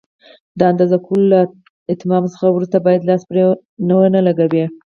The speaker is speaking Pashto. د اندازه کولو له اتمام څخه وروسته باید لاس پرې ونه لګوئ.